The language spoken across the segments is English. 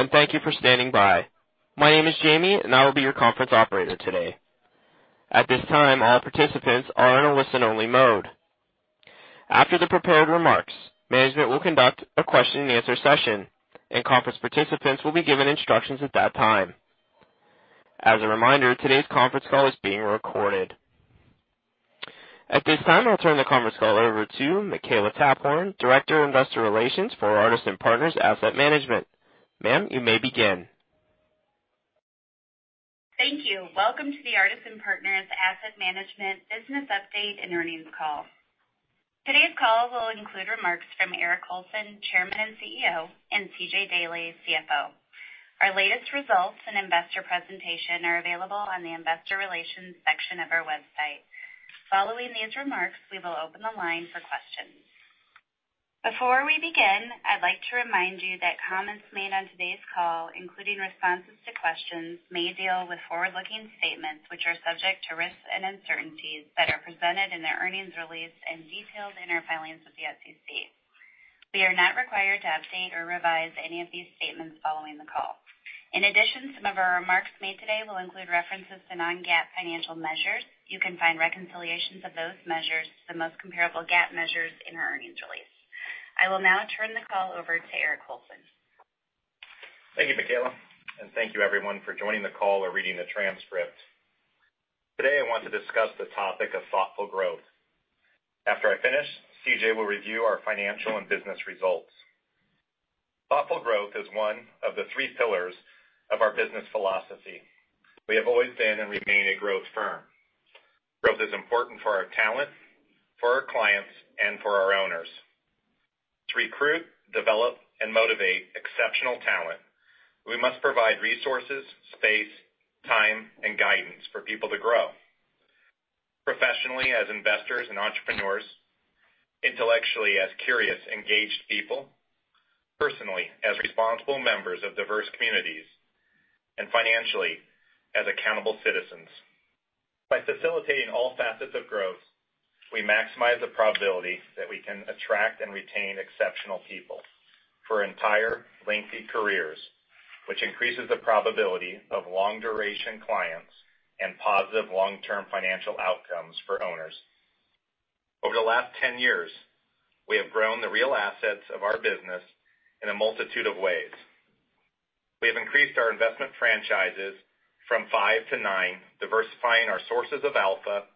Hello, and thank you for standing by. My name is Jamie, and I will be your conference operator today. At this time, all participants are in a listen-only mode. After the prepared remarks, management will conduct a question and answer session, and conference participants will be given instructions at that time. As a reminder, today's conference call is being recorded. At this time, I'll turn the conference call over to Makela Taphorn, Director of Investor Relations for Artisan Partners Asset Management. Ma'am, you may begin. Thank you. Welcome to the Artisan Partners Asset Management business update and earnings call. Today's call will include remarks from Eric Colson, Chairman and CEO, and CJ Daley, CFO. Our latest results and investor presentation are available on the investor relations section of our website. Following these remarks, we will open the line for questions. Before we begin, I'd like to remind you that comments made on today's call, including responses to questions, may deal with forward-looking statements which are subject to risks and uncertainties that are presented in the earnings release and detailed in our filings with the SEC. We are not required to update or revise any of these statements following the call. Some of our remarks made today will include references to non-GAAP financial measures. You can find reconciliations of those measures to the most comparable GAAP measures in our earnings release. I will now turn the call over to Eric Colson. Thank you, Makela. Thank you everyone for joining the call or reading the transcript. Today, I want to discuss the topic of thoughtful growth. After I finish, CJ will review our financial and business results. Thoughtful growth is one of the three pillars of our business philosophy. We have always been and remain a growth firm. Growth is important for our talent, for our clients, and for our owners. To recruit, develop, and motivate exceptional talent, we must provide resources, space, time, and guidance for people to grow. Professionally as investors and entrepreneurs, intellectually as curious, engaged people, personally as responsible members of diverse communities, and financially as accountable citizens. By facilitating all facets of growth, we maximize the probability that we can attract and retain exceptional people for entire lengthy careers, which increases the probability of long-duration clients and positive long-term financial outcomes for owners. Over the last 10 years, we have grown the real assets of our business in a multitude of ways. We have increased our investment franchises from five to nine, diversifying our sources of alpha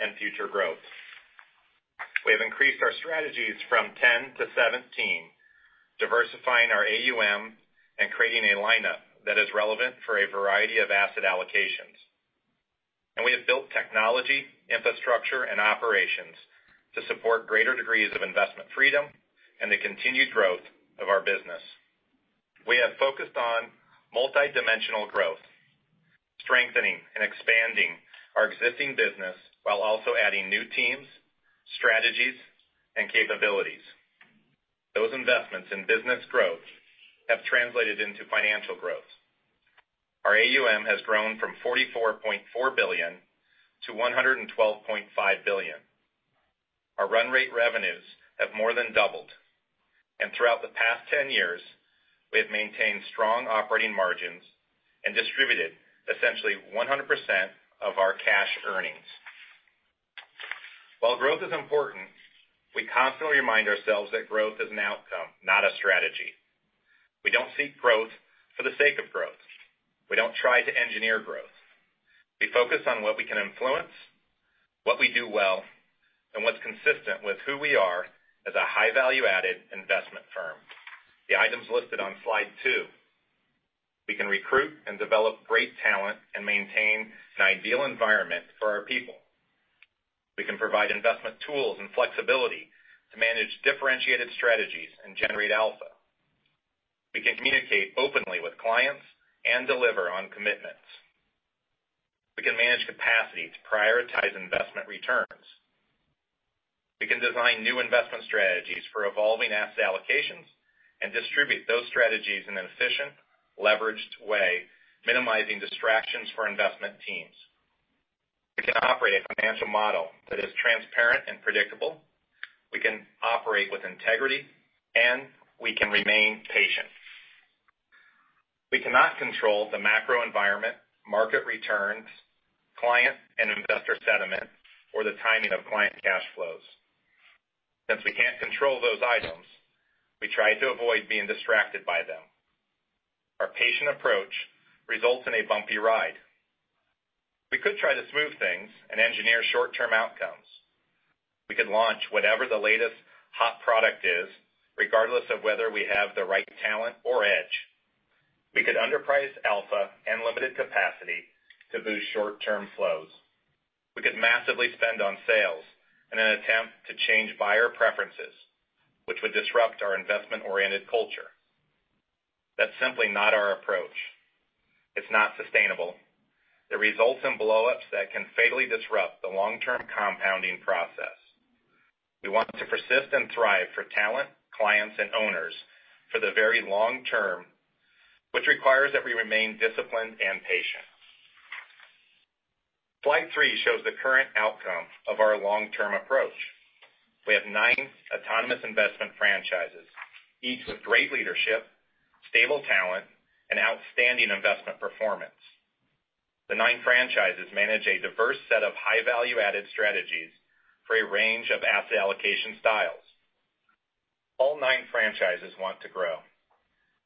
and future growth. We have increased our strategies from 10 to 17, diversifying our AUM and creating a lineup that is relevant for a variety of asset allocations. We have built technology, infrastructure, and operations to support greater degrees of investment freedom and the continued growth of our business. We have focused on multidimensional growth, strengthening and expanding our existing business while also adding new teams, strategies, and capabilities. Those investments in business growth have translated into financial growth. Our AUM has grown from $44.4 billion to $112.5 billion. Our run rate revenues have more than doubled. Throughout the past 10 years, we have maintained strong operating margins and distributed essentially 100% of our cash earnings. While growth is important, we constantly remind ourselves that growth is an outcome, not a strategy. We don't seek growth for the sake of growth. We don't try to engineer growth. We focus on what we can influence, what we do well, and what's consistent with who we are as a high value-added investment firm. The items listed on slide two. We can recruit and develop great talent and maintain an ideal environment for our people. We can provide investment tools and flexibility to manage differentiated strategies and generate alpha. We can communicate openly with clients and deliver on commitments. We can manage capacity to prioritize investment returns. We can design new investment strategies for evolving asset allocations and distribute those strategies in an efficient, leveraged way, minimizing distractions for investment teams. We can operate a financial model that is transparent and predictable. We can operate with integrity, and we can remain patient. We cannot control the macro environment, market returns, client and investor sentiment, or the timing of client cash flows. Since we can't control those items, we try to avoid being distracted by them. Our patient approach results in a bumpy ride. We could try to smooth things and engineer short-term outcomes. We could launch whatever the latest hot product is, regardless of whether we have the right talent or edge. We could underprice alpha and limited capacity to boost short-term flows. We could massively spend on sales in an attempt to change buyer preferences, which would disrupt our investment-oriented culture. That's simply not our approach. It's not sustainable. It results in blow-ups that can fatally disrupt the long-term compounding process. We want to persist and thrive for talent, clients, and owners for the very long term, which requires that we remain disciplined and patient. Slide three shows the current outcome of our long-term approach. We have nine autonomous investment franchises, each with great leadership, stable talent, and outstanding investment performance. The nine franchises manage a diverse set of high value-added strategies for a range of asset allocation styles. All nine franchises want to grow,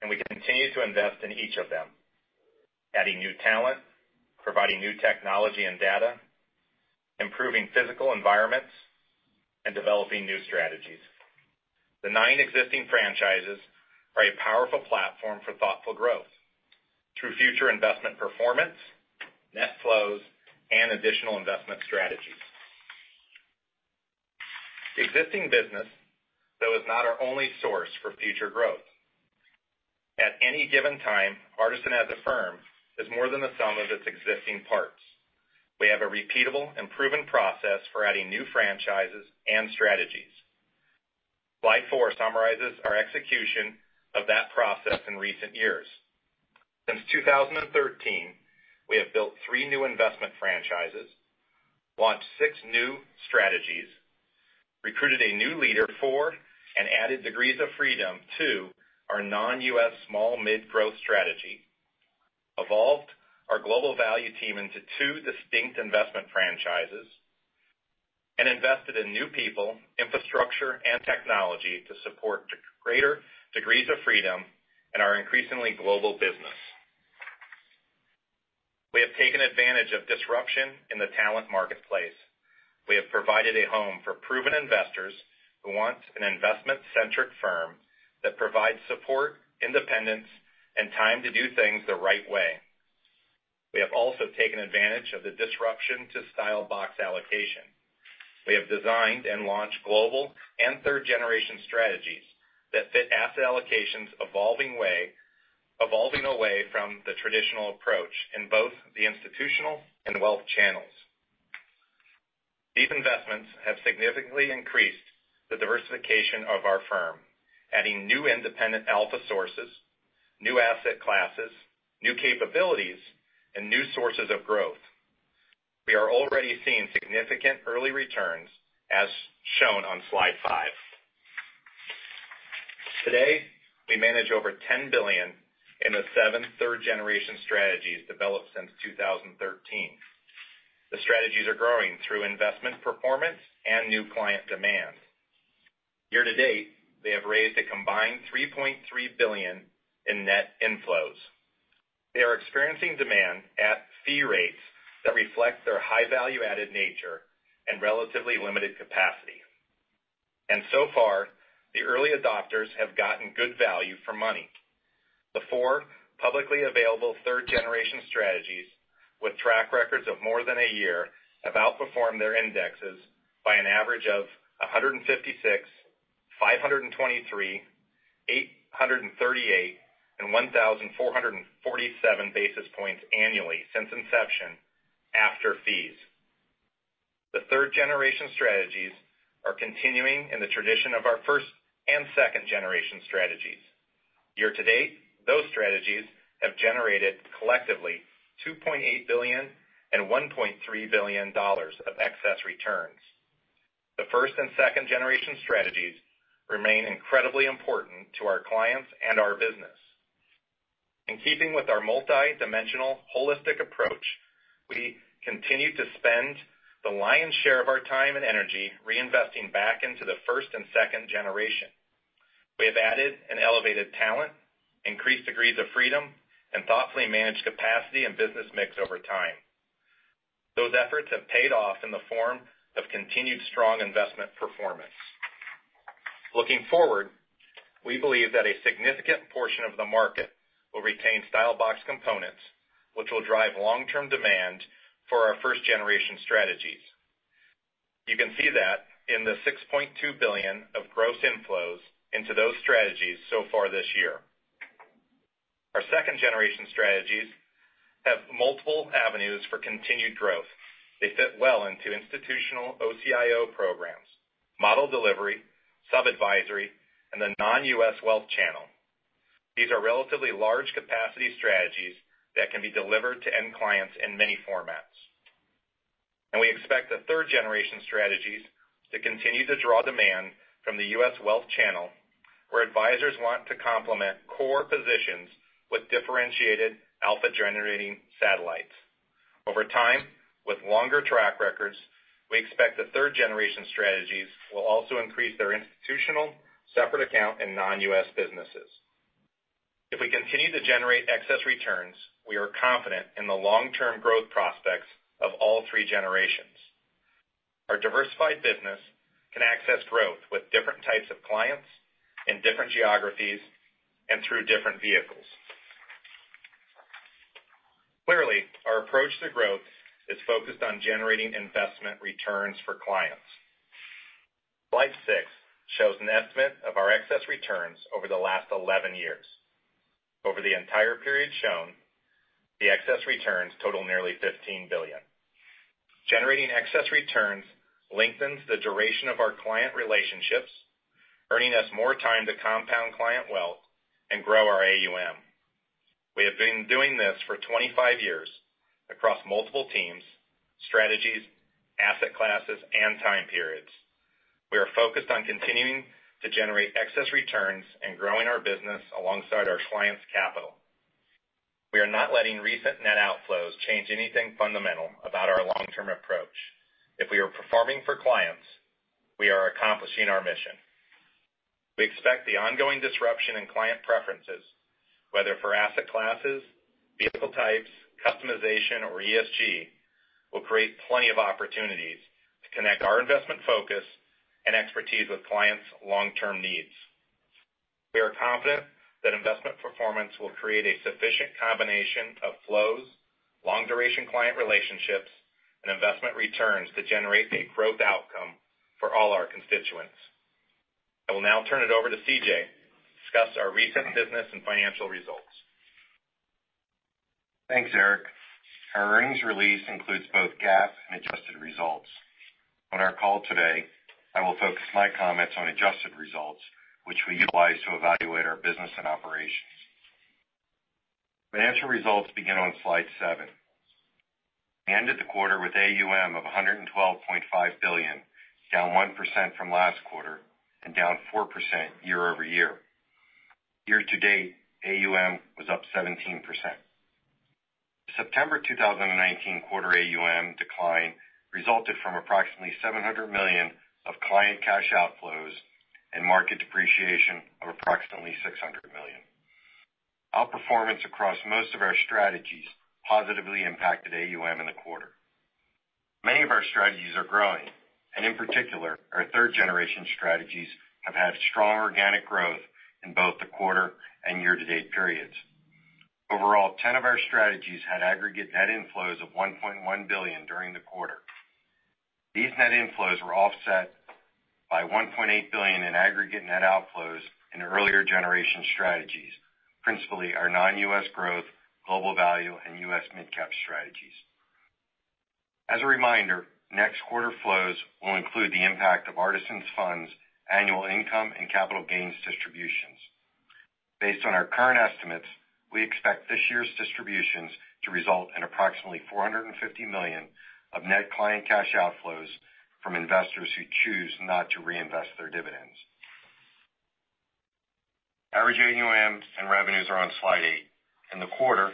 and we continue to invest in each of them, adding new talent, providing new technology and data, improving physical environments, and developing new strategies. The nine existing franchises are a powerful platform for thoughtful growth through future investment performance, net flows, and additional investment strategies. The existing business, though, is not our only source for future growth. At any given time, Artisan as a firm is more than the sum of its existing parts. We have a repeatable and proven process for adding new franchises and strategies. Slide four summarizes our execution of that process in recent years. Since 2013, we have built three new investment franchises, launched six new strategies, recruited a new leader for, and added degrees of freedom to our non-U.S. small mid-growth strategy, evolved our global value team into two distinct investment franchises, and invested in new people, infrastructure, and technology to support greater degrees of freedom in our increasingly global business. We have taken advantage of disruption in the talent marketplace. We have provided a home for proven investors who want an investment-centric firm that provides support, independence, and time to do things the right way. We have also taken advantage of the disruption to style box allocation. We have designed and launched global and third-generation strategies that fit asset allocation's evolving away from the traditional approach in both the institutional and wealth channels. These investments have significantly increased the diversification of our firm, adding new independent alpha sources, new asset classes, new capabilities, and new sources of growth. We are already seeing significant early returns, as shown on slide five. Today, we manage over $10 billion in the seven third-generation strategies developed since 2013. The strategies are growing through investment performance and new client demand. Year to date, they have raised a combined $3.3 billion in net inflows. They are experiencing demand at fee rates that reflect their high value-added nature and relatively limited capacity. So far, the early adopters have gotten good value for money. The four publicly available third-generation strategies with track records of more than a year have outperformed their indexes by an average of 156, 523, 838, and 1,447 basis points annually since inception, after fees. The third-generation strategies are continuing in the tradition of our first and second-generation strategies. Year to date, those strategies have generated collectively $2.8 billion and $1.3 billion of excess returns. The first and second-generation strategies remain incredibly important to our clients and our business. In keeping with our multidimensional holistic approach, we continue to spend the lion's share of our time and energy reinvesting back into the first and second-generation. We have added and elevated talent, increased degrees of freedom, and thoughtfully managed capacity and business mix over time. Those efforts have paid off in the form of continued strong investment performance. Looking forward, we believe that a significant portion of the market will retain style box components, which will drive long-term demand for our first-generation strategies. You can see that in the $6.2 billion of gross inflows into those strategies so far this year. Our second-generation strategies have multiple avenues for continued growth. They fit well into institutional OCIO programs, model delivery, sub-advisory, and the non-U.S. wealth channel. These are relatively large capacity strategies that can be delivered to end clients in many formats. We expect the third-generation strategies to continue to draw demand from the U.S. wealth channel, where advisors want to complement core positions with differentiated alpha-generating satellites. Over time, with longer track records, we expect the third-generation strategies will also increase their institutional, separate account, and non-U.S. businesses. If we continue to generate excess returns, we are confident in the long-term growth prospects of all three generations. Our diversified business can access growth with different types of clients in different geographies and through different vehicles. Clearly, our approach to growth is focused on generating investment returns for clients. Slide six shows an estimate of our excess returns over the last 11 years. Over the entire period shown, the excess returns total nearly $15 billion. Generating excess returns lengthens the duration of our client relationships. Earning us more time to compound client wealth and grow our AUM. We have been doing this for 25 years across multiple teams, strategies, asset classes, and time periods. We are focused on continuing to generate excess returns and growing our business alongside our clients' capital. We are not letting recent net outflows change anything fundamental about our long-term approach. If we are performing for clients, we are accomplishing our mission. We expect the ongoing disruption in client preferences, whether for asset classes, vehicle types, customization, or ESG, will create plenty of opportunities to connect our investment focus and expertise with clients' long-term needs. We are confident that investment performance will create a sufficient combination of flows, long-duration client relationships, and investment returns to generate a growth outcome for all our constituents. I will now turn it over to CJ to discuss our recent business and financial results. Thanks, Eric. Our earnings release includes both GAAP and adjusted results. On our call today, I will focus my comments on adjusted results, which we utilize to evaluate our business and operations. Financial results begin on slide seven. We ended the quarter with AUM of $112.5 billion, down 1% from last quarter and down 4% year-over-year. Year-to-date, AUM was up 17%. September 2019 quarter AUM decline resulted from approximately $700 million of client cash outflows and market depreciation of approximately $600 million. Outperformance across most of our strategies positively impacted AUM in the quarter. Many of our strategies are growing, and in particular, our third-generation strategies have had strong organic growth in both the quarter and year-to-date periods. Overall, 10 of our strategies had aggregate net inflows of $1.1 billion during the quarter. These net inflows were offset by $1.8 billion in aggregate net outflows in earlier generation strategies, principally our non-U.S. growth, global value, and U.S. mid-cap strategies. As a reminder, next quarter flows will include the impact of Artisan's funds annual income and capital gains distributions. Based on our current estimates, we expect this year's distributions to result in approximately $450 million of net client cash outflows from investors who choose not to reinvest their dividends. Average AUM and revenues are on slide eight. In the quarter,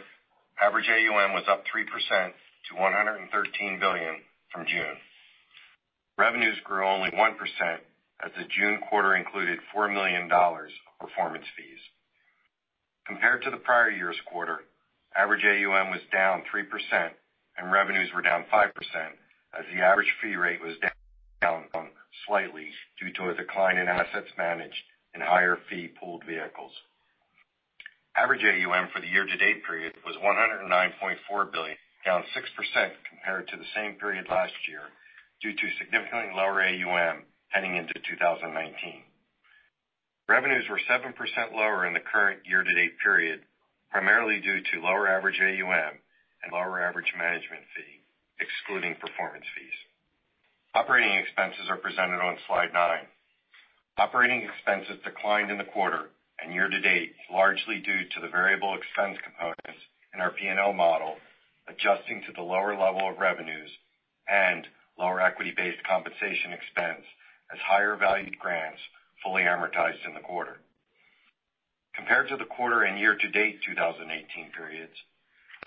average AUM was up 3% to $113 billion from June. Revenues grew only 1% as the June quarter included $4 million of performance fees. Compared to the prior year's quarter, average AUM was down 3% and revenues were down 5% as the average fee rate was down slightly due to a decline in assets managed in higher fee pooled vehicles. Average AUM for the year-to-date period was $109.4 billion, down 6% compared to the same period last year, due to significantly lower AUM heading into 2019. Revenues were 7% lower in the current year-to-date period, primarily due to lower average AUM and lower average management fee, excluding performance fees. Operating expenses are presented on slide nine. Operating expenses declined in the quarter and year-to-date, largely due to the variable expense components in our P&L model, adjusting to the lower level of revenues and lower equity-based compensation expense as higher valued grants fully amortized in the quarter. Compared to the quarter and year-to-date 2018 periods,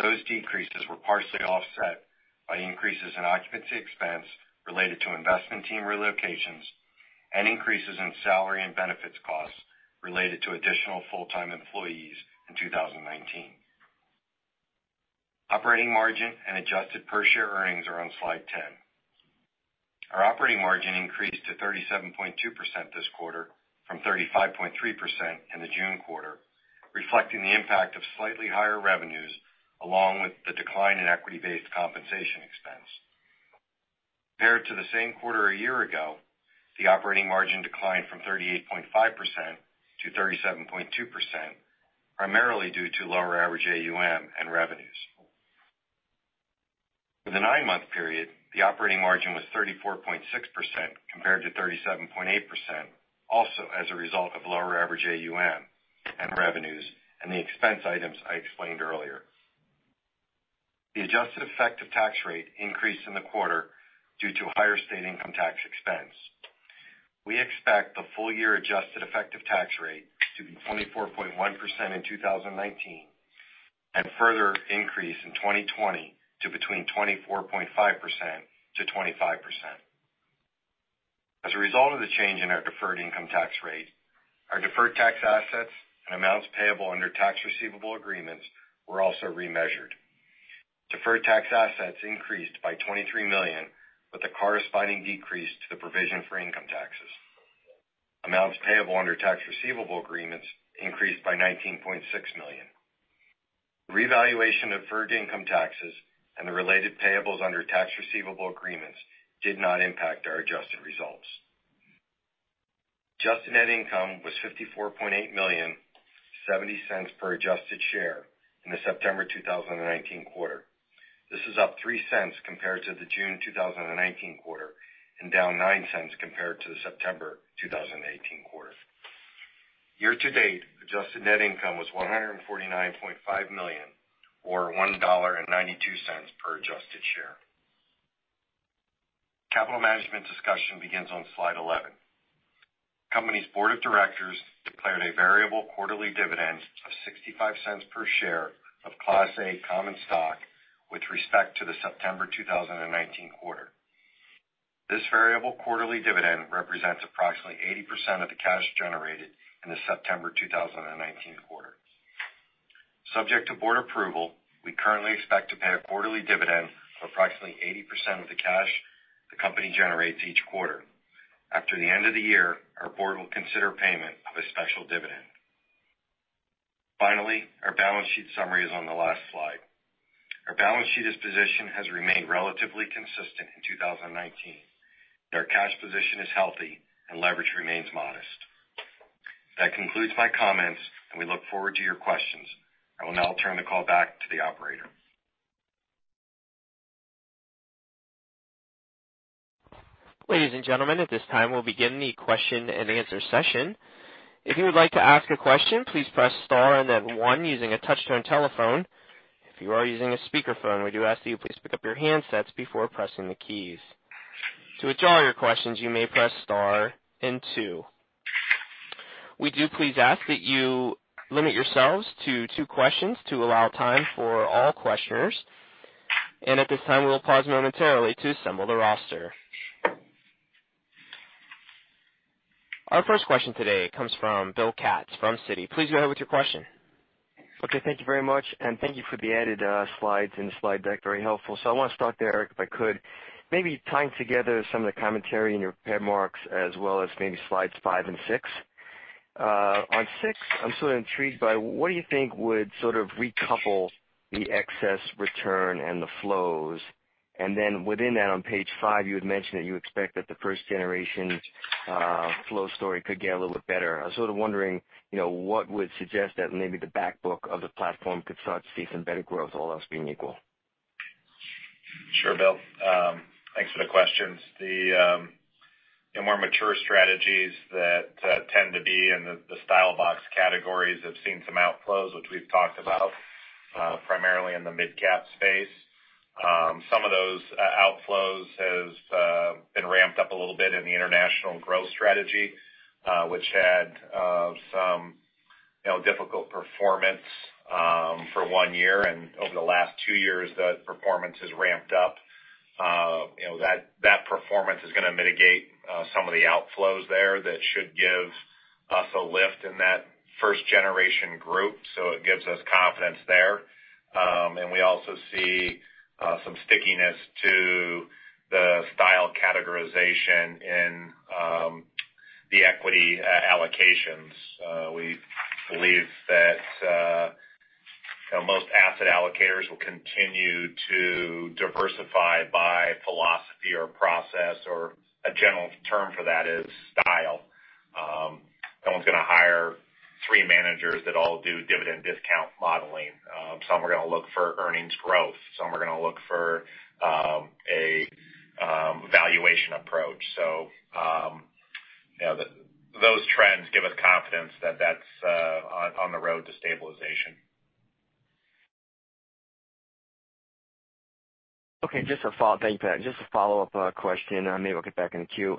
those decreases were partially offset by increases in occupancy expense related to investment team relocations and increases in salary and benefits costs related to additional full-time employees in 2019. Operating margin and adjusted per share earnings are on slide 10. Our operating margin increased to 37.2% this quarter from 35.3% in the June quarter, reflecting the impact of slightly higher revenues, along with the decline in equity-based compensation expense. Compared to the same quarter a year ago, the operating margin declined from 38.5% to 37.2%, primarily due to lower average AUM and revenues. For the nine-month period, the operating margin was 34.6% compared to 37.8%, also as a result of lower average AUM and revenues and the expense items I explained earlier. The adjusted effective tax rate increased in the quarter due to a higher state income tax expense. We expect the full-year adjusted effective tax rate to be 24.1% in 2019 and further increase in 2020 to between 24.5% to 25%. As a result of the change in our deferred income tax rate, our deferred tax assets and amounts payable under tax receivable agreements were also remeasured. Deferred tax assets increased by $23 million, with a corresponding decrease to the provision for income taxes. Amounts payable under tax receivable agreements increased by $19.6 million. The revaluation of deferred income taxes and the related payables under tax receivable agreements did not impact our adjusted results. Adjusted net income was $54.8 million$0.70 per adjusted share in the September 2019 quarter. This is up $0.03 compared to the June 2019 quarter, and down $0.09 compared to the September 2018 quarter. Year-to-date adjusted net income was $149.5 million, or $1.92 per adjusted share. Capital management discussion begins on slide 11. Company's board of directors declared a variable quarterly dividend of $0.65 per share of Class A common stock with respect to the September 2019 quarter. This variable quarterly dividend represents approximately 80% of the cash generated in the September 2019 quarter. Subject to board approval, we currently expect to pay a quarterly dividend of approximately 80% of the cash the company generates each quarter. After the end of the year, our board will consider payment of a special dividend. Our balance sheet summary is on the last slide. Our balance sheet position has remained relatively consistent in 2019. Our cash position is healthy, and leverage remains modest. That concludes my comments, and we look forward to your questions. I will now turn the call back to the operator. Ladies and gentlemen, at this time, we'll begin the question and answer session. If you would like to ask a question, please press star and then one using a touch-tone telephone. If you are using a speakerphone, we do ask that you please pick up your handsets before pressing the keys. To withdraw your questions, you may press star and two. We do please ask that you limit yourselves to 2 questions to allow time for all questioners. At this time, we'll pause momentarily to assemble the roster. Our first question today comes from Bill Katz from Citi. Please go ahead with your question. Okay. Thank you very much, and thank you for the added slides in the slide deck. Very helpful. I want to start there, Eric, if I could. Maybe tying together some of the commentary in your remarks as well as maybe slides five and six. On six, I'm sort of intrigued by what you think would sort of recouple the excess return and the flows. Within that, on page five, you had mentioned that you expect that the first-generation flow story could get a little bit better. I was sort of wondering what would suggest that maybe the back book of the platform could start to see some better growth, all else being equal. Sure, Bill. Thanks for the questions. The more mature strategies that tend to be in the style box categories have seen some outflows, which we've talked about, primarily in the mid-cap space. Some of those outflows have been ramped up a little bit in the international growth strategy, which had some difficult performance for one year. Over the last two years, the performance has ramped up. That performance is going to mitigate some of the outflows there that should give us a lift in that first-generation group. It gives us confidence there. We also see some stickiness to the style categorization in the equity allocations. We believe that most asset allocators will continue to diversify by philosophy or process, or a general term for that is style. No one's going to hire three managers that all do dividend discount modeling. Some are going to look for earnings growth. Some are going to look for a valuation approach. Those trends give us confidence that that's on the road to stabilization. Okay. Thank you for that. Just a follow-up question. Maybe we'll get back in queue.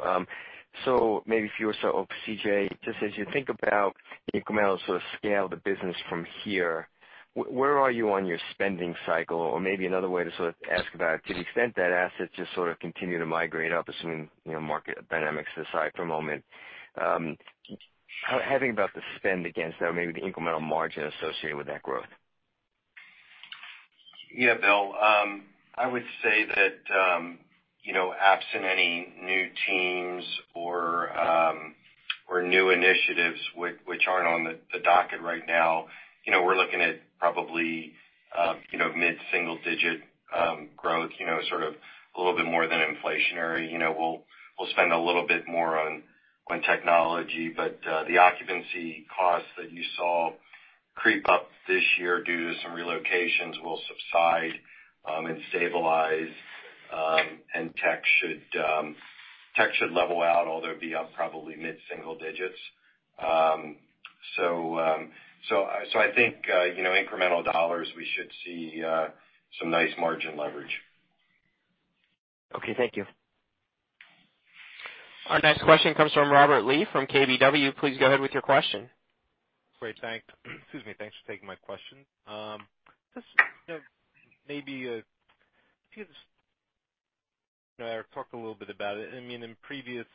Maybe, CJ, just as you think about the incremental sort of scale of the business from here, where are you on your spending cycle? Maybe another way to sort of ask about it, to the extent that assets just sort of continue to migrate up, assuming market dynamics aside for a moment. How are you thinking about the spend against that or maybe the incremental margin associated with that growth? Yeah, Bill. I would say that absent any new teams or new initiatives, which aren't on the docket right now, we're looking at probably mid-single-digit growth, sort of a little bit more than inflationary. We'll spend a little bit more on technology. The occupancy costs that you saw creep up this year due to some relocations will subside and stabilize. Tech should level out, although it'll be up probably mid-single digits. I think incremental dollars, we should see some nice margin leverage. Okay. Thank you. Our next question comes from Robert Lee from KBW. Please go ahead with your question. Great. Thanks for taking my question. Just maybe a few. I know Eric talked a little bit about it. In previous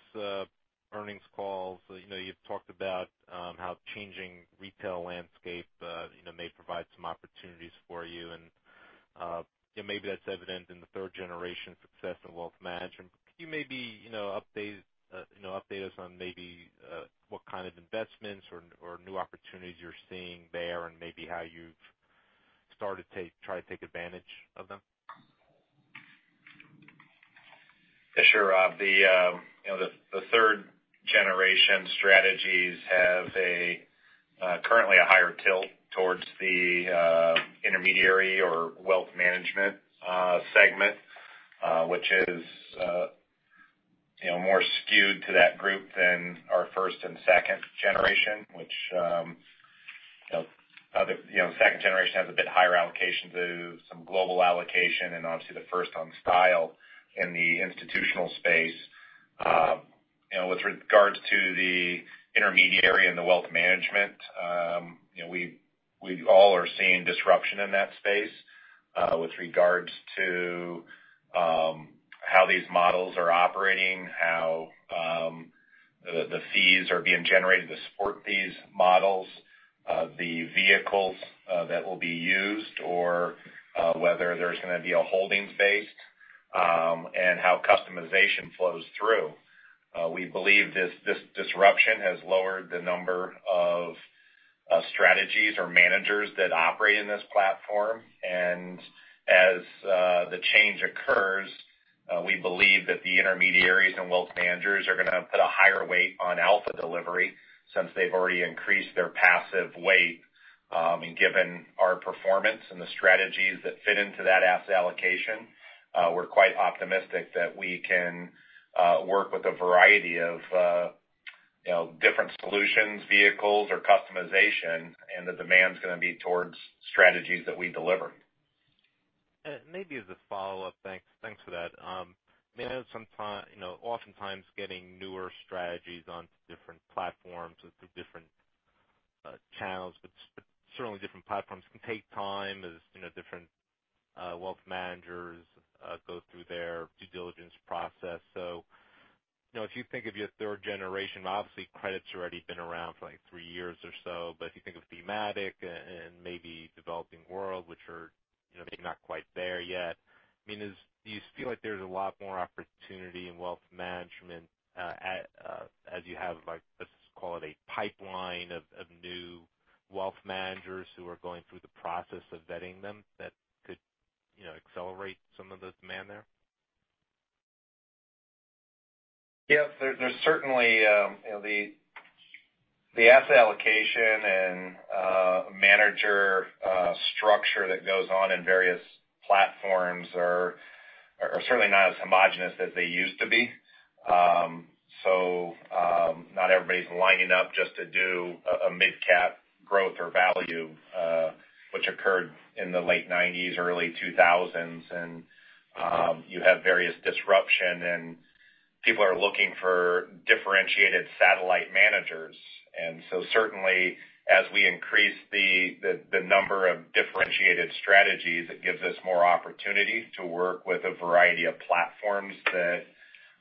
earnings calls, you've talked about how changing retail landscape may provide some opportunities for you, and maybe that's evident in the third-generation success in wealth management. Could you maybe update us on maybe what kind of investments or new opportunities you're seeing there and maybe how you've started to try to take advantage of them? Rob, the third-generation strategies have currently a higher tilt towards the intermediary or wealth management segment, which is more skewed to that group than our first and second generation, which the second generation has a bit higher allocation to some global allocation, and obviously the first on style in the institutional space. With regards to the intermediary and the wealth management, we all are seeing disruption in that space with regards to how these models are operating, how the fees are being generated to support these models, the vehicles that will be used, or whether there's going to be a holdings-based, and how customization flows through. We believe this disruption has lowered the number of strategies or managers that operate in this platform. As the change occurs, we believe that the intermediaries and wealth managers are going to put a higher weight on alpha delivery since they've already increased their passive weight. Given our performance and the strategies that fit into that asset allocation, we're quite optimistic that we can work with a variety of different solutions, vehicles, or customization, and the demand is going to be towards strategies that we deliver. Maybe as a follow-up. Thanks for that. Oftentimes getting newer strategies onto different platforms through different channels, but certainly different platforms can take time as different wealth managers go through their due diligence process. If you think of your third generation, obviously credit's already been around for like three years or so, but if you think of thematic and maybe developing world, which are maybe not quite there yet, do you feel like there's a lot more opportunity in wealth management as you have, let's call it, a pipeline of new wealth managers who are going through the process of vetting them that could accelerate some of the demand there? Yes. There's certainly the asset allocation and manager structure that goes on in various platforms are certainly not as homogenous as they used to be. Not everybody's lining up just to do a mid-cap growth or value, which occurred in the late '90s, early 2000s. You have various disruption, and people are looking for differentiated satellite managers. Certainly as we increase the number of differentiated strategies, it gives us more opportunity to work with a variety of platforms that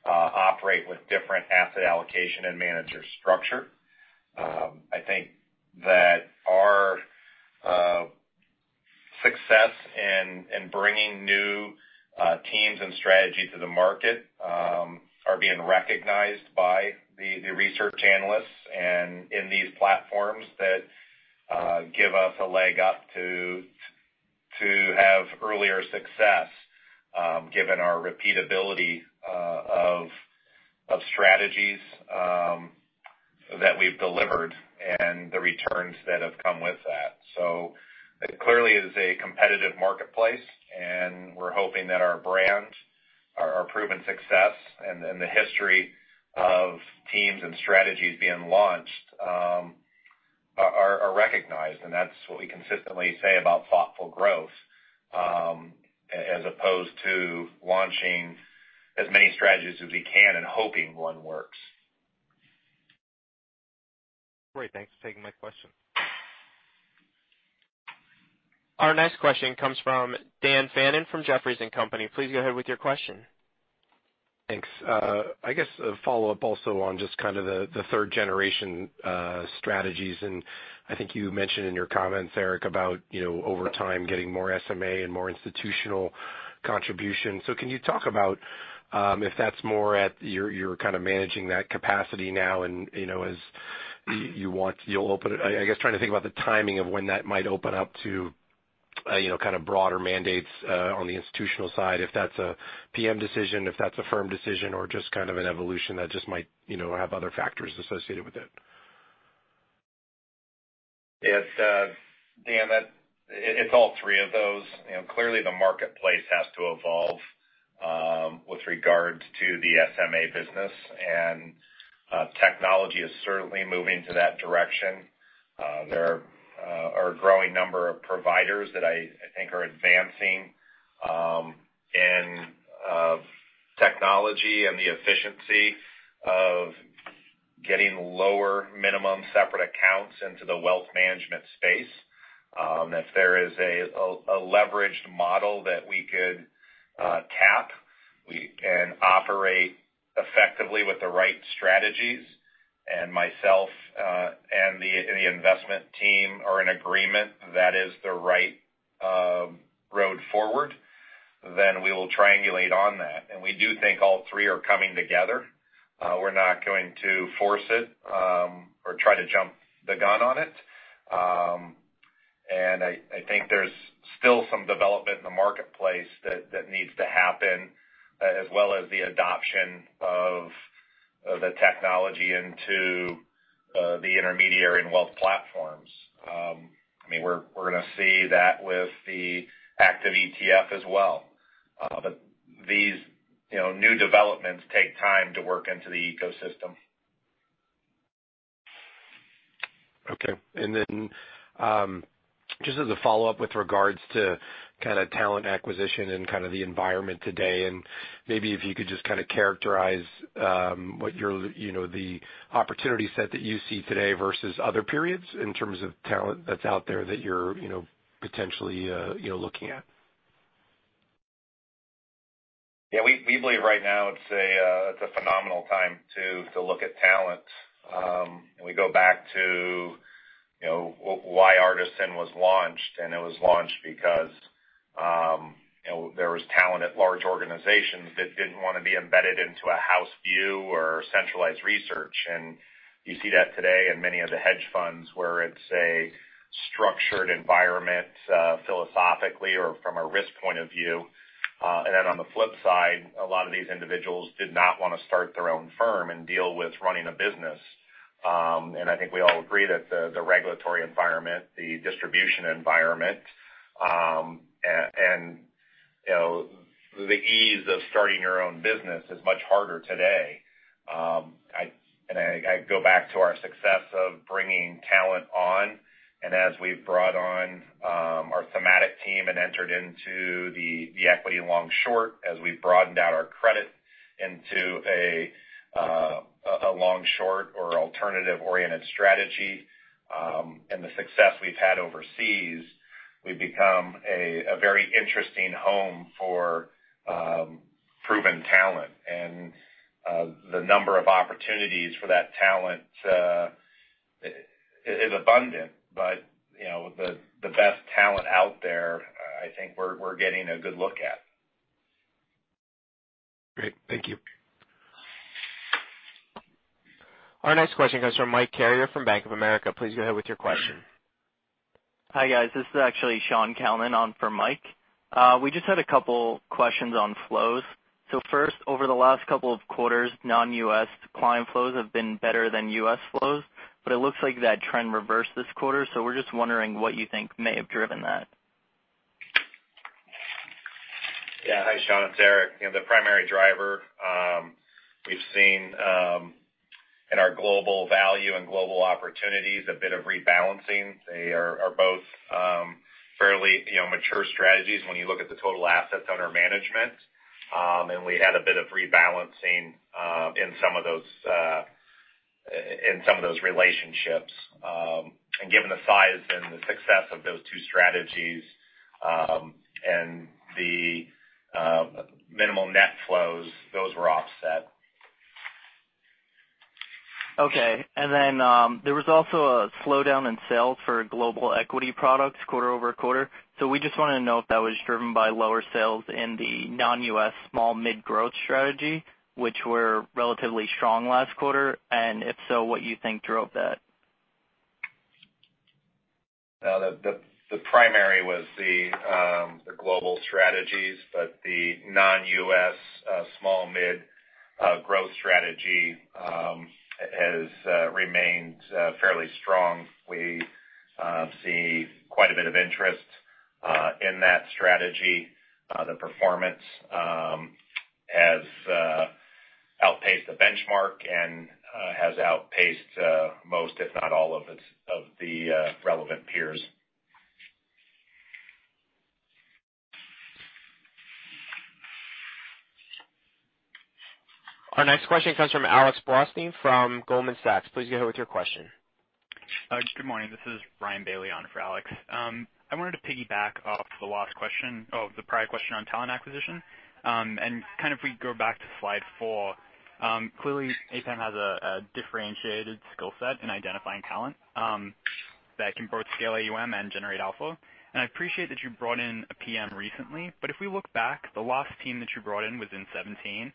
operate with different asset allocation and manager structure. I think that our success in bringing new teams and strategies to the market are being recognized by the research analysts and in these platforms that give us a leg up to have earlier success given our repeatability of strategies that we've delivered and the returns that have come with that. It clearly is a competitive marketplace, and we're hoping that our brand, our proven success, and the history of teams and strategies being launched are recognized. That's what we consistently say about thoughtful growth, as opposed to launching as many strategies as we can and hoping one works. Great. Thanks for taking my question. Our next question comes from Daniel Fannon from Jefferies & Company. Please go ahead with your question. Thanks. I guess a follow-up also on just the third-generation strategies, and I think you mentioned in your comments, Eric, about over time getting more SMA and more institutional contribution. Can you talk about if that's more you're managing that capacity now, and as you want, you'll open it. I guess trying to think about the timing of when that might open up to broader mandates on the institutional side, if that's a PM decision, if that's a firm decision or just an evolution that just might have other factors associated with it. Dan, it's all three of those. Clearly the marketplace has to evolve with regards to the SMA business. Technology is certainly moving to that direction. There are a growing number of providers that I think are advancing in technology and the efficiency of getting lower minimum separate accounts into the wealth management space. If there is a leveraged model that we could tap, we can operate effectively with the right strategies, myself and the investment team are in agreement that is the right road forward, then we will triangulate on that. We do think all three are coming together. We're not going to force it or try to jump the gun on it. I think there's still some development in the marketplace that needs to happen, as well as the adoption of the technology into the intermediary and wealth platforms. We're going to see that with the active ETF as well. These new developments take time to work into the ecosystem. Okay. Just as a follow-up with regards to talent acquisition and the environment today, and maybe if you could just characterize the opportunity set that you see today versus other periods, in terms of talent that's out there that you're potentially looking at? Yeah. We believe right now it's a phenomenal time to look at talent. We go back to why Artisan was launched, and it was launched because there was talent at large organizations that didn't want to be embedded into a house view or centralized research. You see that today in many of the hedge funds where it's a structured environment, philosophically or from a risk point of view. On the flip side, a lot of these individuals did not want to start their own firm and deal with running a business. I think we all agree that the regulatory environment, the distribution environment, and the ease of starting your own business is much harder today. I go back to our success of bringing talent on. As we've brought on our thematic team and entered into the equity long-short, as we've broadened out our credit into a long-short or alternative-oriented strategy, and the success we've had overseas, we've become a very interesting home for proven talent. The number of opportunities for that talent is abundant. The best talent out there, I think we're getting a good look at. Great. Thank you. Our next question comes from Michael Carrier from Bank of America. Please go ahead with your question. Hi, guys. This is actually Sean Kalman on for Mike. First, over the last couple of quarters, non-U.S. client flows have been better than U.S. flows, but it looks like that trend reversed this quarter. We're just wondering what you think may have driven that. Yeah. Hi, Sean, it's Eric. The primary driver we've seen in our global value and global opportunities, a bit of rebalancing. They are both fairly mature strategies when you look at the total assets under management. We had a bit of rebalancing in some of those relationships. Given the size and the success of those two strategies, and the minimal net flows, those were offset. Okay. There was also a slowdown in sales for global equity products quarter-over-quarter. We just wanted to know if that was driven by lower sales in the non-US small mid-growth strategy, which were relatively strong last quarter, and if so, what you think drove that. No, the primary was the global strategies, but the non-U.S. small mid growth strategy has remained fairly strong. We see quite a bit of interest in that strategy. The performance has outpaced the benchmark and has outpaced most, if not all of the relevant peers. Our next question comes from Alex Blostein from Goldman Sachs. Please go ahead with your question. Good morning. This is Ryan Bailey on for Alex. If we go back to slide four, clearly APAM has a differentiated skill set in identifying talent that can both scale AUM and generate alpha. I appreciate that you brought in a PM recently, but if we look back, the last team that you brought in was in 2017.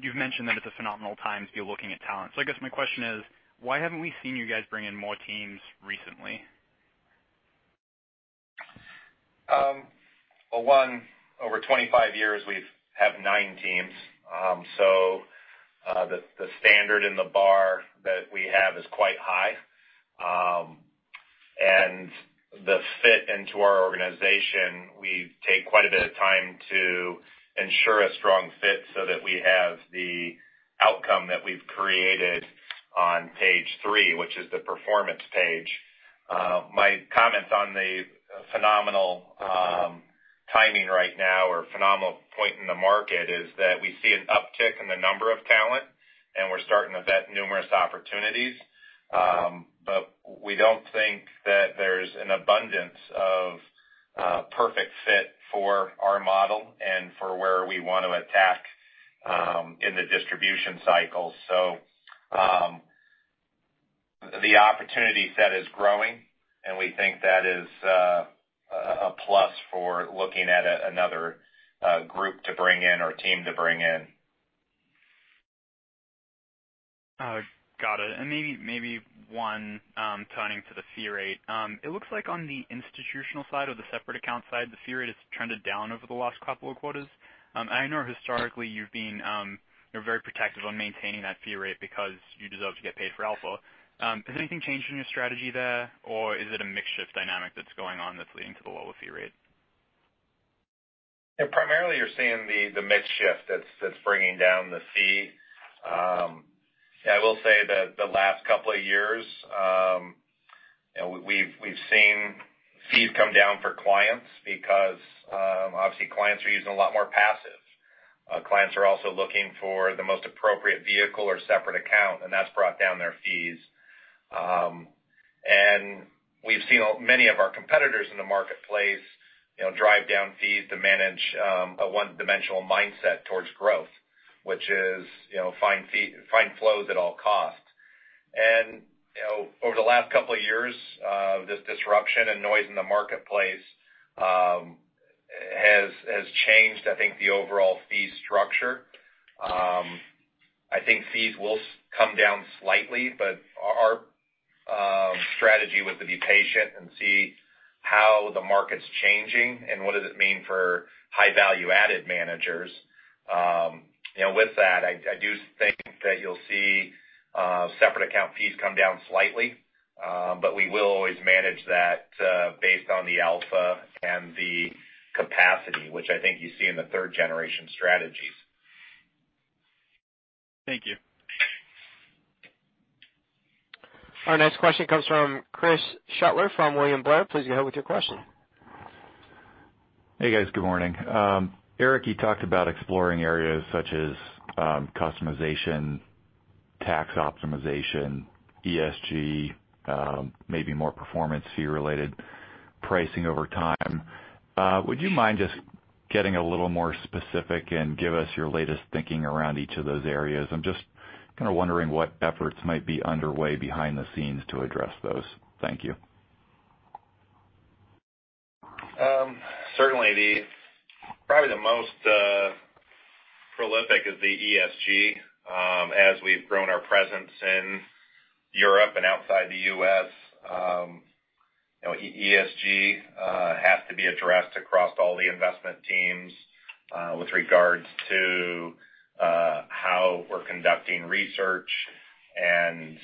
You've mentioned that it's a phenomenal time to be looking at talent. I guess my question is, why haven't we seen you guys bring in more teams recently? One, over 25 years, we have nine teams. The standard and the bar that we have is quite high. The fit into our organization, we take quite a bit of time to ensure a strong fit so that we have the outcome that we've created on page three, which is the performance page. My comments on the phenomenal timing right now or phenomenal point in the market is that we see an uptick in the number of talent, and we're starting to vet numerous opportunities. We don't think that there's an abundance of a perfect fit for our model and for where we want to attack in the distribution cycle. The opportunity set is growing, and we think that is a plus for looking at another group to bring in or team to bring in. Maybe one turning to the fee rate. It looks like on the institutional side or the separate account side, the fee rate has trended down over the last couple of quarters. I know historically you've been very protective on maintaining that fee rate because you deserve to get paid for alpha. Has anything changed in your strategy there, or is it a mix shift dynamic that's going on that's leading to the lower fee rate? Primarily you're seeing the mix shift that's bringing down the fee. I will say that the last couple of years, we've seen fees come down for clients because obviously clients are using a lot more passive. Clients are also looking for the most appropriate vehicle or separate account, and that's brought down their fees. We've seen many of our competitors in the marketplace drive down fees to manage a one-dimensional mindset towards growth, which is find flows at all costs. Over the last couple of years, this disruption and noise in the marketplace has changed, I think, the overall fee structure. I think fees will come down slightly, but our strategy was to be patient and see how the market's changing and what does it mean for high value-added managers. With that, I do think that you'll see separate account fees come down slightly. We will always manage that based on the alpha and the capacity, which I think you see in the third generation strategies. Thank you. Our next question comes from Chris Schoettler from William Blair. Please go ahead with your question. Hey, guys. Good morning. Eric, you talked about exploring areas such as customization, tax optimization, ESG, maybe more performance fee-related pricing over time. Would you mind just getting a little more specific and give us your latest thinking around each of those areas? I'm just kind of wondering what efforts might be underway behind the scenes to address those. Thank you. Certainly. Probably the most prolific is the ESG. As we've grown our presence in Europe and outside the U.S., ESG has to be addressed across all the investment teams with regards to how we're conducting research and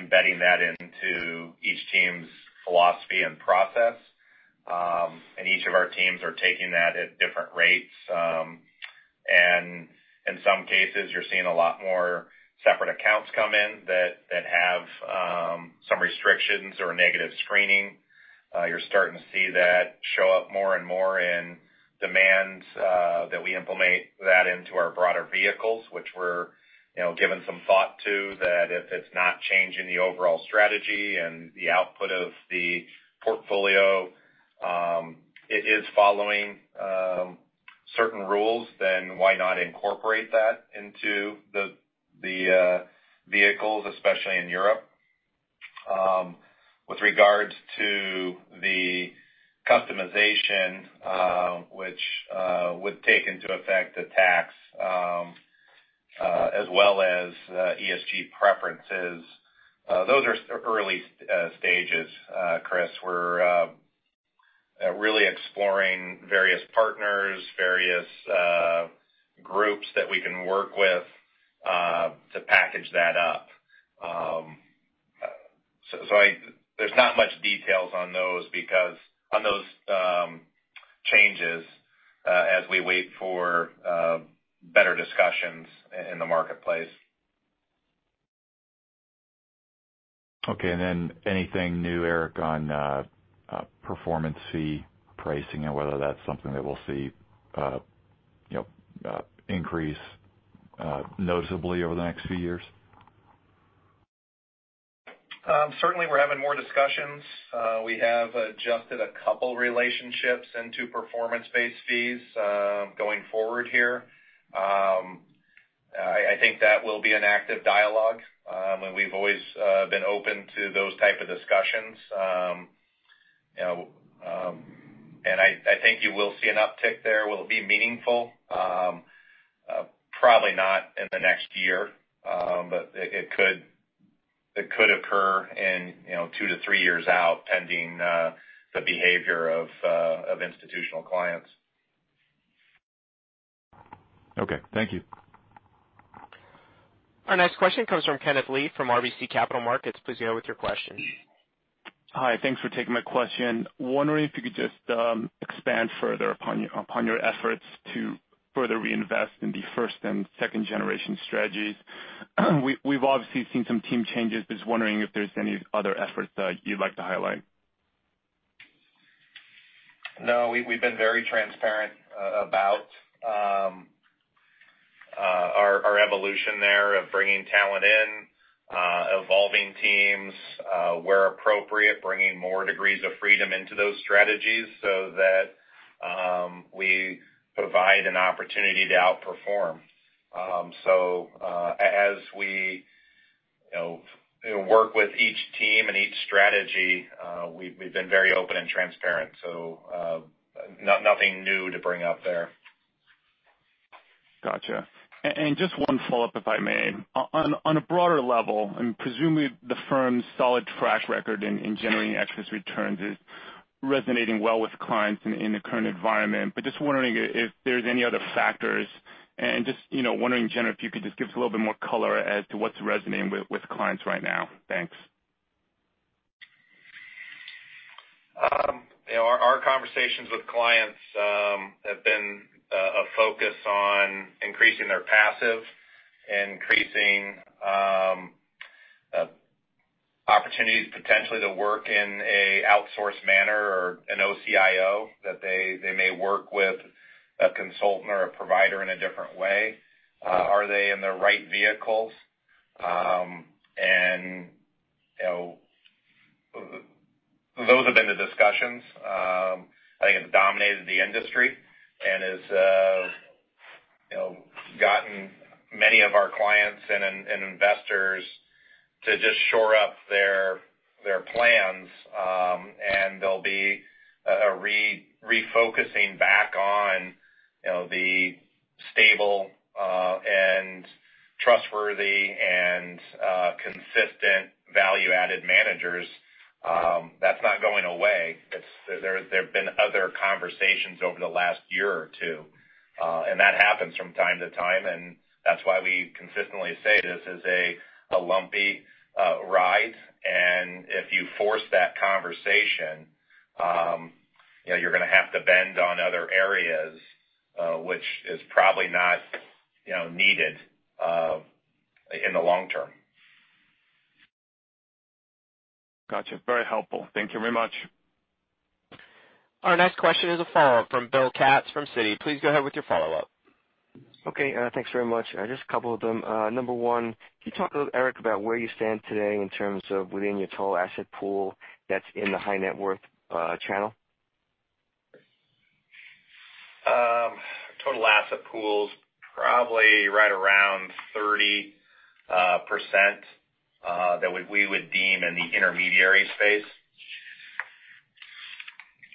embedding that into each team's philosophy and process. Each of our teams are taking that at different rates. In some cases, you're seeing a lot more separate accounts come in that have some restrictions or negative screening. You're starting to see that show up more and more in demands that we implement that into our broader vehicles, which we're giving some thought to, that if it's not changing the overall strategy and the output of the portfolio, it is following certain rules, then why not incorporate that into the vehicles, especially in Europe? With regards to the customization, which would take into effect the tax, as well as ESG preferences, those are early stages, Chris. We're really exploring various partners, various groups that we can work with to package that up. There's not much details on those changes as we wait for better discussions in the marketplace. Okay. Anything new, Eric, on performance fee pricing and whether that's something that we'll see increase noticeably over the next few years? Certainly, we're having more discussions. We have adjusted a couple relationships into performance-based fees going forward here. I think that will be an active dialogue. We've always been open to those type of discussions. I think you will see an uptick there. Will it be meaningful? Probably not in the next year. It could occur in two to three years out, pending the behavior of institutional clients. Okay. Thank you. Our next question comes from Kenneth Lee from RBC Capital Markets. Please go with your question. Hi. Thanks for taking my question. Wondering if you could just expand further upon your efforts to further reinvest in the first and second generation strategies. We've obviously seen some team changes, just wondering if there's any other efforts that you'd like to highlight. No, we've been very transparent about our evolution there of bringing talent in, evolving teams, where appropriate, bringing more degrees of freedom into those strategies so that we provide an opportunity to outperform. As we work with each team and each strategy, we've been very open and transparent, so nothing new to bring up there. Gotcha. Just one follow-up, if I may. On a broader level, and presumably the firm's solid track record in generating excess returns is resonating well with clients in the current environment. Just wondering if there's any other factors, and just wondering, in general, if you could just give us a little bit more color as to what's resonating with clients right now. Thanks. Our conversations with clients have been a focus on increasing their passive, increasing opportunities potentially to work in an outsourced manner or an OCIO, that they may work with a consultant or a provider in a different way. Are they in the right vehicles? Those have been the discussions. I think it's dominated the industry and has gotten many of our clients and investors to just shore up their plans. They'll be refocusing back on the stable and trustworthy, and consistent value-added managers. That's not going away. There've been other conversations over the last year or two. That happens from time to time, and that's why we consistently say this is a lumpy ride. If you force that conversation, you're going to have to bend on other areas, which is probably not needed in the long term. Got you. Very helpful. Thank you very much. Our next question is a follow-up from Bill Katz from Citi. Please go ahead with your follow-up. Okay, thanks very much. Just a couple of them. Number 1, can you talk a little, Eric, about where you stand today in terms of within your total asset pool that's in the high net worth channel? Total asset pool's probably right around 30% that we would deem in the intermediary space.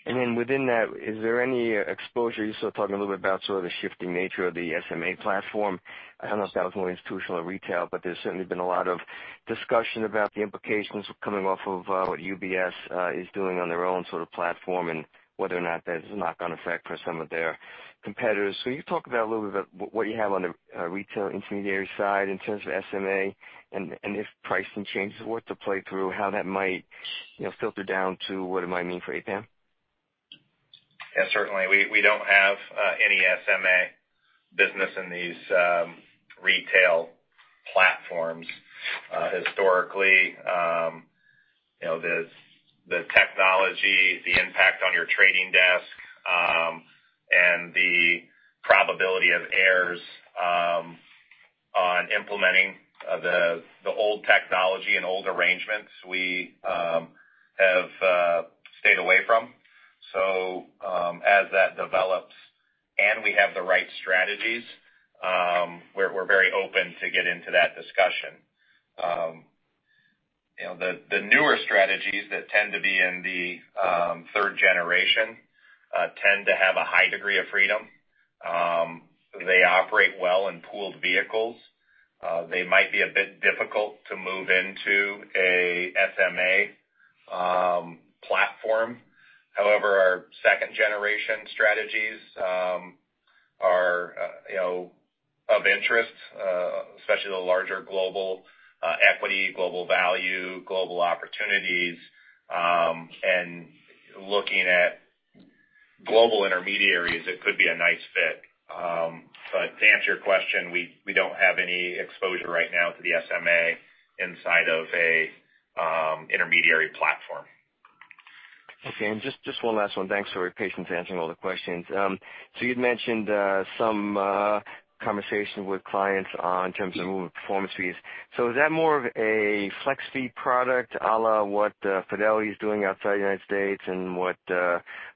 Within that, is there any exposure? You sort of talked a little bit about sort of the shifting nature of the SMA platform. I don't know if that was more institutional or retail, but there's certainly been a lot of discussion about the implications coming off of what UBS is doing on their own sort of platform and whether or not there's a knock-on effect for some of their competitors. Can you talk about a little bit what you have on the retail intermediary side in terms of SMA, and if pricing changes were to play through, how that might filter down to what it might mean for APAM? Yeah, certainly. We don't have any SMA business in these retail platforms. Historically, the technology, the impact on your trading desk, and the probability of errors on implementing the old technology and old arrangements, we have stayed away from. As that develops and we have the right strategies, we're very open to get into that discussion. The newer strategies that tend to be in the 3rd-generation tend to have a high degree of freedom. They operate well in pooled vehicles. They might be a bit difficult to move into a SMA platform. However, our 2nd-generation strategies are of interest, especially the larger global equity, global value, global opportunities, and looking at global intermediaries, it could be a nice fit. To answer your question, we don't have any exposure right now to the SMA inside of a intermediary platform. Okay. Just one last one. Thanks for your patience answering all the questions. You'd mentioned some conversation with clients in terms of moving performance fees. Is that more of a flex fee product à la what Fidelity's doing outside the U.S. and what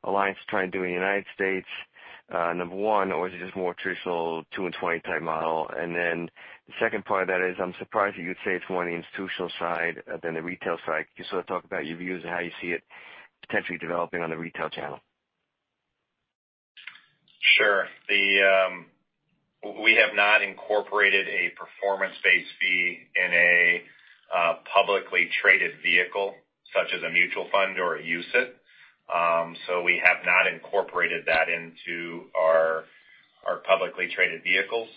Alliance is trying to do in the U.S., number one, or is it just more traditional 2 and 20-type model? The second part of that is, I'm surprised that you'd say it's more on the institutional side than the retail side. Can you sort of talk about your views on how you see it potentially developing on the retail channel? Sure. We have not incorporated a performance-based fee in a publicly traded vehicle, such as a mutual fund or a UCITS. We have not incorporated that into our publicly traded vehicles.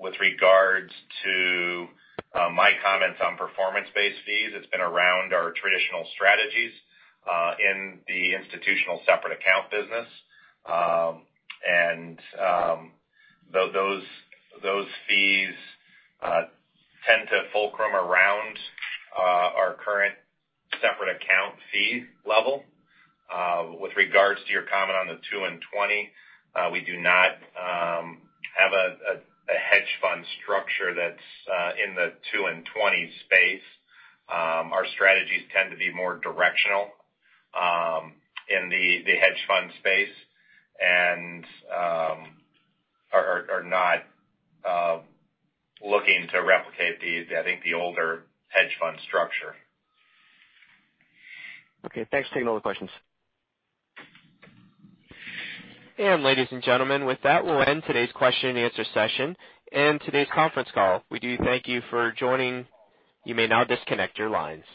With regards to my comments on performance-based fees, it's been around our traditional strategies, in the institutional separate account business. Those fees tend to fulcrum around our current separate account fee level. With regards to your comment on the two and twenty, we do not have a hedge fund structure that's in the two and twenty space. Our strategies tend to be more directional in the hedge fund space and are not looking to replicate the, I think, the older hedge fund structure. Okay, thanks for taking all the questions. Ladies and gentlemen, with that, we'll end today's question and answer session and today's conference call. We do thank you for joining. You may now disconnect your lines.